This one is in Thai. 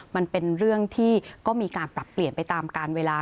มันเป็นเรื่องที่ก็มีการปรับเปลี่ยนไปตามการเวลา